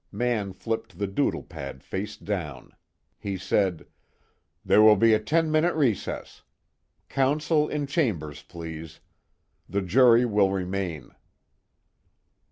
Mann flipped the doodle pad face down. He said: "There will be a ten minute recess. Counsel in chambers, please. The jury will remain."